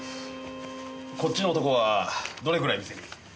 こっちの男はどれぐらい店に？